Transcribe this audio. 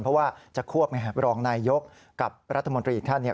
เพราะว่าจะควบรองนายยกกับรัฐมนตรีอีกท่านเนี่ย